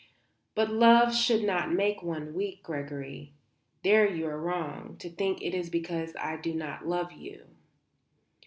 But love should not make one weak, Gregory. There you are wrong, to think it is because I do not love you."